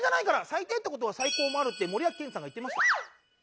「最低って事は最高もある」って森脇健児さんが言ってました。